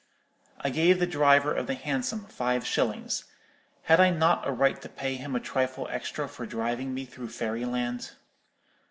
I gave the driver of the Hansom five shillings. Had I not a right to pay him a trifle extra for driving me through fairy land?